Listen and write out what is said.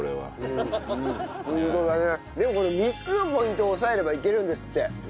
でもこれ３つのポイントを抑えればいけるんですって。